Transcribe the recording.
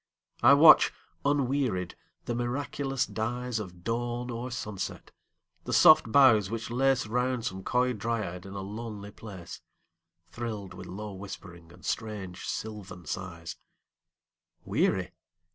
I watch, unwearied, the miraculous dyesOf dawn or sunset; the soft boughs which laceRound some coy dryad in a lonely place, Thrilled with low whispering and strange sylvan sighs:Weary?